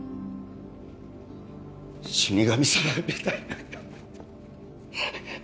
死神様みたいなんだ